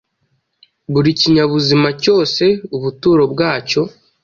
buri kinyabuzima cyose ubuturo bwacyo,